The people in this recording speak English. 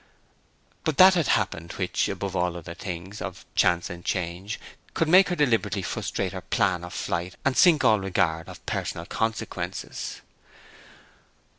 But that had happened which, above all other things of chance and change, could make her deliberately frustrate her plan of flight and sink all regard of personal consequences.